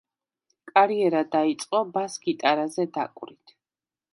კარიერა დაიწყო ბას-გიტარაზე დაკვრით.